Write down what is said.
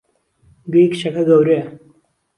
گوێی کچەکە گەورەیە!